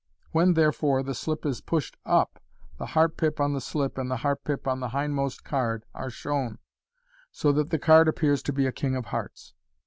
When, therefore, the slip is pushed up, the heart pip on the sUp and the heart pip on the hind most card are shown, so that the card appears to be a king of hearts.